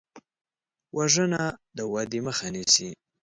وژنه د ودې مخه نیسي